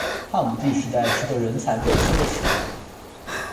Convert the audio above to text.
汉武帝时代是个人才辈出的时代。